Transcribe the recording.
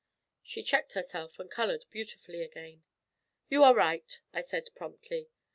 She checked herself and coloured beautifully again. 'You are right,' I said promptly.